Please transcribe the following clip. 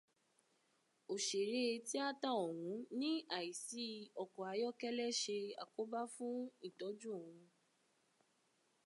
Òṣèré tíátà ọ̀hún ní àìsí ọkọ̀ ayọ́kẹ́lẹ́ ṣe àkóbá fún ìtọ́jú òun